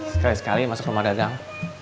sekali sekali masuk rumah dagang